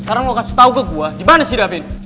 sekarang lo kasih tau ke gue dimana si david